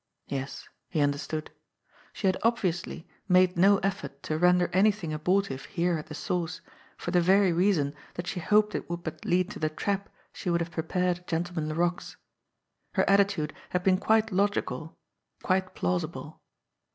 Yes, he understood. She had obviously made no effort to render anything abortive here at the source, for the very reason that she hoped it would but lead to the trap she would have prepared at Gentleman Laroque's. Her attitude had been quite logical, quite plausible.